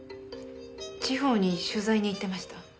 地方に取材に行ってました。